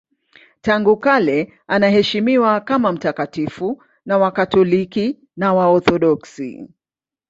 Tangu kale anaheshimiwa kama mtakatifu na Wakatoliki na Waorthodoksi.